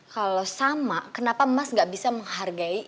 kalau sama kenapa mas gak bisa menghargai